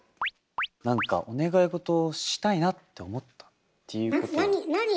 何かお願いごとをしたいなって思ったっていうことは。